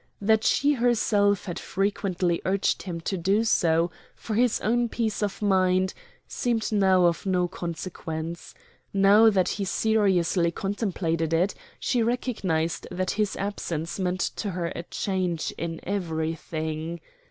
That she herself had frequently urged him to do so, for his own peace of mind, seemed now of no consequence. Now that he seriously contemplated it, she recognized that his absence meant to her a change in everything.